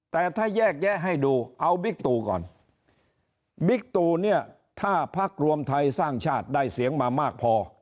แต่ถ้าแยกแยะให้ดูเอาบิ๊กตูก่อนบิ๊กตูเนี่ยถ้าพักรวมไทยสร้างชาติได้เสียงมามากพอ